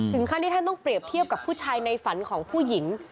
ท่านที่ท่านต้องเปรียบเทียบกับผู้ชายในฝันของผู้หญิง